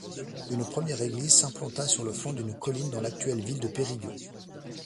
Une première église s'implanta sur le flanc d'une colline dans l'actuelle ville de Périgueux.